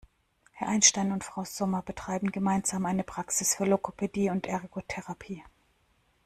Herr Einstein und Frau Sommer betreiben gemeinsam eine Praxis für Logopädie und Ergotherapie.